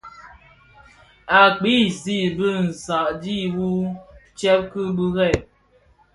Å kpii zig bi nsàdki wu ctsee (bi kirèè).